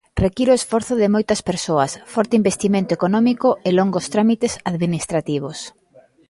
Require o esforzo de moitas persoas, forte investimento económico e longos trámites administrativos.